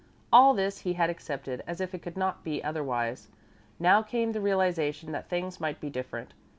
All this he had accepted as if it could not be otherwise. Now came the realization that things might be different.